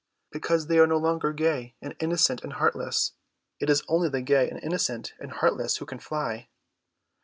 "Because they are no longer gay and innocent and heartless. It is only the gay and innocent and heartless who can fly."